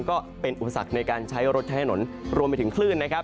ก็เป็นอุปสรรคในการใช้รถใช้ถนนรวมไปถึงคลื่นนะครับ